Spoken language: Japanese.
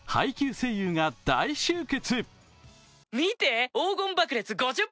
声優が大集結。